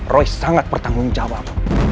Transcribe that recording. roy sangat bertanggung jawab